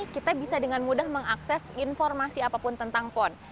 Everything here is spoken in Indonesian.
kita bisa dengan mudah mengakses informasi apapun tentang pon